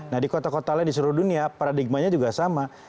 nah di kota kota lain di seluruh dunia paradigmanya juga sama